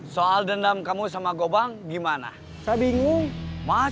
coba kamu kontak dia